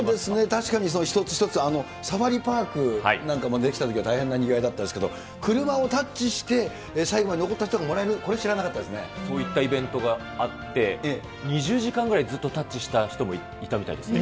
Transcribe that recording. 確かに一つ一つ、サファリパークなんかも出来たときは大変なにぎわいだったんですけれども、車をタッチして、最後まで残った人がもらえる、そういったイベントがあって、２０時間ぐらいずっとタッチした人もいたみたいですって。